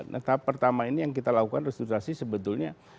nah tahap pertama ini yang kita lakukan resturasi sebetulnya